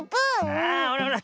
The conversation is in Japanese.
あほらほら